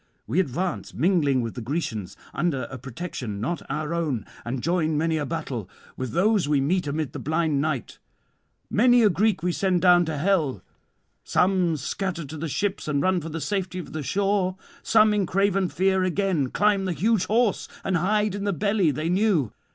We advance, mingling with the Grecians, under a protection not our own, and join many a battle [398 432]with those we meet amid the blind night; many a Greek we send down to hell. Some scatter to the ships and run for the safety of the shore; some in craven fear again climb the huge horse, and hide in the belly they knew.